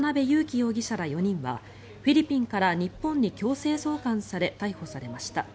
容疑者ら４人はフィリピンから日本に強制送還され逮捕されました。